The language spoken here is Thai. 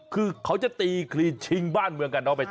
คือเขาจะตีคลีชิงบ้านเมืองกันเนาะไปต่อ